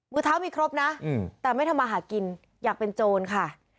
เท้ามีครบนะแต่ไม่ทำมาหากินอยากเป็นโจรค่ะ